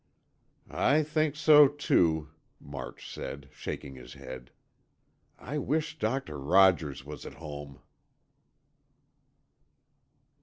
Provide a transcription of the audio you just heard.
"I think so, too," March said, shaking his head. "I wish Doctor Rogers was at home."